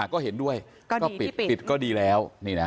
ก็เห็นด้วยก็ปิดปิดก็ดีแล้ว